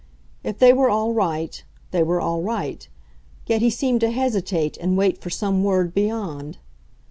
If they were all right; they were all right; yet he seemed to hesitate and wait for some word beyond.